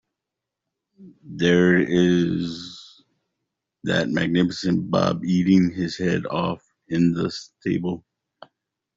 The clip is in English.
There is that magnificent Bob, eating his head off in the stable.